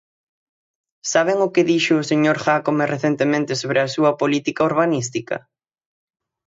¿Saben o que dixo o señor Jácome recentemente sobre a súa política urbanística?